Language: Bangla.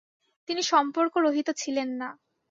তিনি সর্ম্পকরহিত ছিলেন না।